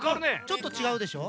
ちょっとちがうでしょ？